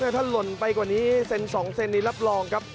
ถ้าหล่นไปกว่านี้เซน๒เซนนี้รับรองครับ